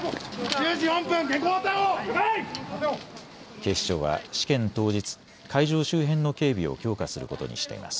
警視庁は試験当日、会場周辺の警備を強化することにしています。